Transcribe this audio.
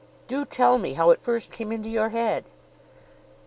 "Do tell me how it first came into your head."